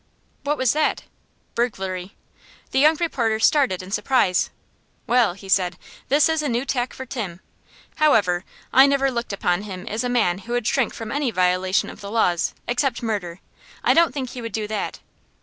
"What was that?" "Burglary." The young reporter started in surprise. "Well," he said, "this is a new tack for Tim. However, I never looked upon him as a man who would shrink from any violation of the laws, except murder. I don't think he would do that."